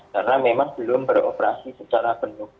karena memang belum beroperasi secara penuh